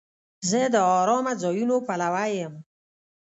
زه د آرامه ځایونو پلوی یم.